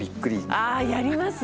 ああやります！